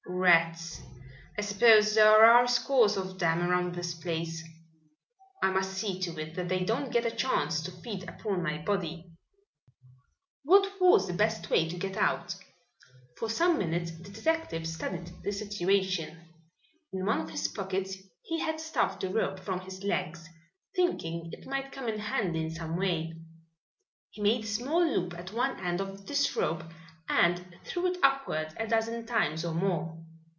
"Rats. I suppose there are scores of them around this place. I must see to it that they don't get a chance to feed upon my body!" What was the best way to get out? For some minutes the detective studied the situation. In one of his pockets he had stuffed the rope taken from his legs, thinking it might come in handy in some way. He made a small loop at one end of this rope and threw it upward a dozen times or more.